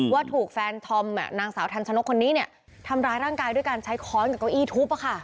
ว่าถูกแฟนธอมนางสาวทันชนกคนนี้เนี่ยทำร้ายร่างกายด้วยการใช้ค้อนกับเก้าอี้ทุบ